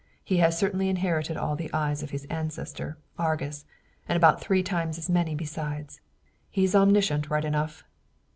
He has certainly inherited all the eyes of his ancestor, Argus, and about three times as many besides. He's omniscient, right enough."